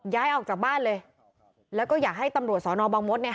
ย้ายออกจากบ้านเลยแล้วก็อยากให้ตำรวจสอนอบังมศเนี่ย